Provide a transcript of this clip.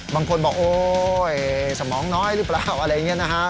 บางคนบอกโอ๊ยสมองน้อยหรือเปล่าอะไรอย่างนี้นะฮะ